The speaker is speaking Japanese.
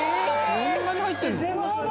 こんなに入ってんの？